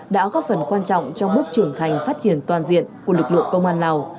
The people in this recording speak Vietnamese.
đã góp phần quan trọng trong bước trưởng thành phát triển toàn diện của lực lượng công an lào